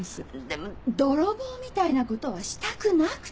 でも泥棒みたいなことはしたくなくて。